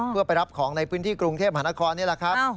เพื่อไปรับของในพื้นที่กรุงเทพมหานครนี่แหละครับ